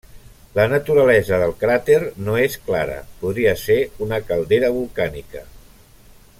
La naturalesa del cràter no és clara: podria ser una caldera volcànica.